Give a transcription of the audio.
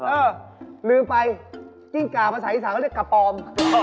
เออลืมไปกิ้งก่าภาษาอีสานก็เรียกกระปอม